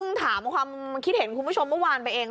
ถามความคิดเห็นคุณผู้ชมเมื่อวานไปเอง